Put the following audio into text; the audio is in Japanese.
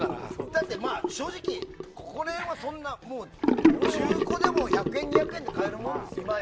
だって、正直ここにあるものって中古でも１００円２００円で買えるものだから。